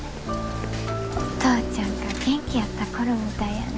お父ちゃんが元気やった頃みたいやな。